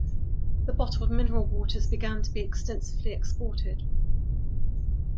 The bottled mineral waters began to be extensively exported.